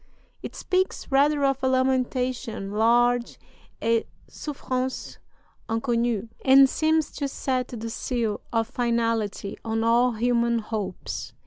It speaks rather of a lamentation large et souffrance inconnue, and seems to set the seal of finality on all human hopes.